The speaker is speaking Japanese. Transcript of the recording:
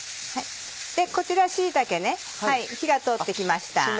こちら椎茸火が通って来ました。